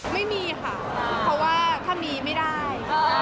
ไม่มีค่ะเพราะว่าถ้ามีไม่ได้